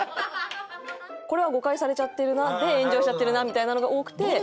これは誤解されちゃってるなで炎上しちゃってるなみたいなのが多くて。